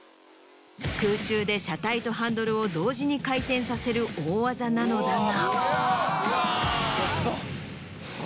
空中で車体とハンドルを同時に回転させる大技なのだが。